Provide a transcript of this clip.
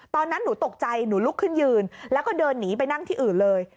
ตอนนั้นหนูตกใจหนูลุกขึ้นยืนแล้วก็เดินหนีไปนั่งที่อื่นเลย